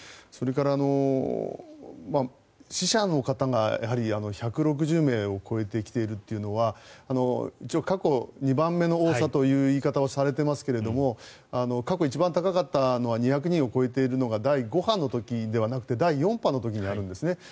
それから死者の方が１６０名を超えてきているというのは一応過去２番目の多さという言い方をされていますけど過去一番高かったのは２００人を超えているのは第５波の時ではなくて第４波の時にあるんですね。